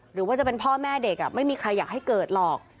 หรือว่าจะเป็นพ่อแม่เด็กไม่มีใครอยากให้เกิดหรอก